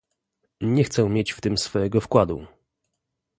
Nie chcę mieć w tym swojego wkładu